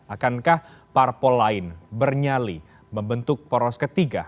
akankah parpol lain bernyali membentuk poros ketiga